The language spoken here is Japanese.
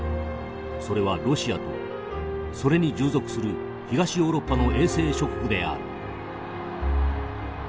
それはロシアとそれに従属する東ヨーロッパの衛星諸国である」。